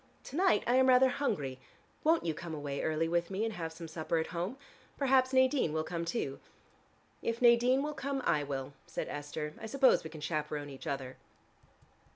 To night I am rather hungry: won't you come away early with me and have some supper at home? Perhaps Nadine will come too." "If Nadine will come, I will," said Esther. "I suppose we can chaperone each other."